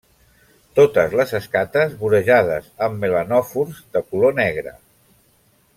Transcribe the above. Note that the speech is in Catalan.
Totes les escates vorejades amb melanòfors de color negre.